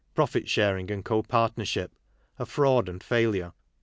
Profit Sharing and Co partnership : a Fraud and Failure